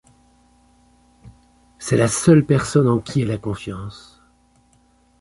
C'est la seule personne en qui elle a confiance.